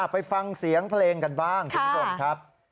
ไปฟังเสียงเพลงกันบ้างคุณผู้ชมครับ